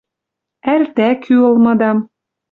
Ӓль тӓ кӱ ылмыдам